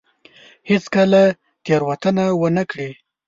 هېڅ کله تېروتنه ونه کړي.